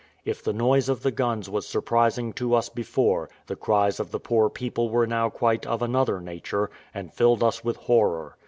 If the noise of the guns was surprising to us before, the cries of the poor people were now quite of another nature, and filled us with horror.